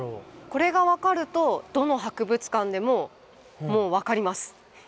これが分かるとどの博物館でももう分かります。